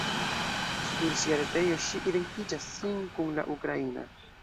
Sur sia retejo, ŝi identiĝas sin kun la ukraina.